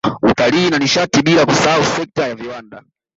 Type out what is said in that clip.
Utalii na Nishati bila kusahau sekta ya viwanda